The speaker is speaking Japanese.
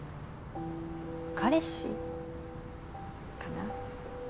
彼氏かな？